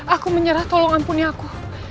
aku menyerah tolong ampuni aku